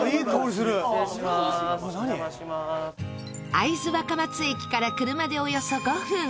会津若松駅から車でおよそ５分。